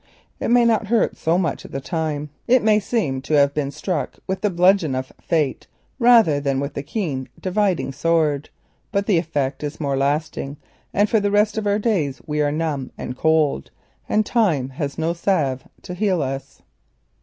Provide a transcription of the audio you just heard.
It may not hurt so much at the time, it may seem to have been struck with the bludgeon of Fate rather than with her keen dividing sword, but the effect is more lasting, and for the rest of our days we are numb and cold, for Time has no salve to heal us.